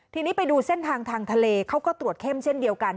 ทีนี้ไปดูเส้นทางทางทะเลเขาก็ตรวจเข้มเช่นเดียวกัน